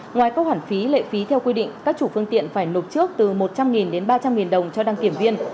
ngoài các khoản phí lệ phí theo quy định các chủ phương tiện phải nộp trước từ một trăm linh đến ba trăm linh đồng cho đăng kiểm viên